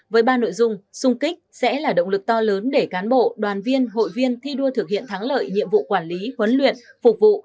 với ba nội dung sung kích sẽ là động lực to lớn để cán bộ đoàn viên hội viên thi đua thực hiện thắng lợi nhiệm vụ quản lý huấn luyện phục vụ